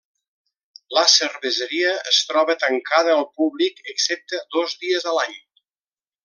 La cerveseria es troba tancada al públic excepte dos dies a l'any.